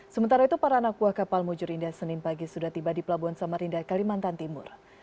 sementara itu para anak buah kapal mujur indah senin pagi sudah tiba di pelabuhan samarinda kalimantan timur